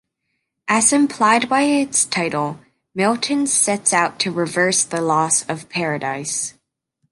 As implied by its title, Milton sets out to reverse the "loss" of Paradise.